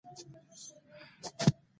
دی که د لغمان و، نو ما هم لغمان خوړلی و.